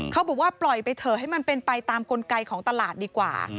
เขาบอกว่าปล่อยไปเถอะให้มันเป็นไปตามกลไกของตลาดดีกว่า